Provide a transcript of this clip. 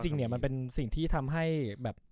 จริงเนี่ยมันเป็นสิ่งที่ทำให้แบบ